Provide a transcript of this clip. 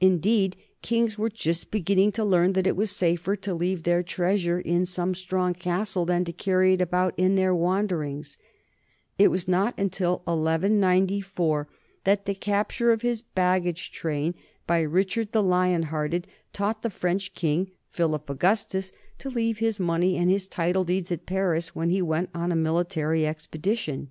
Indeed kings were just beginning to learn that it was safer to leave their treas ure in some strong castle than to carry it about in their wanderings; it was not till 1194 that the capture of his baggage train by Richard the Lion Hearted taught the French king Philip Augustus to leave his money and his 96 NORMANS IN EUROPEAN HISTORY title deeds at Paris when he went on a military expedi tion.